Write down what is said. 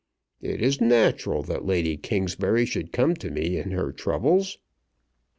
It is natural that Lady Kingsbury should come to me in her troubles."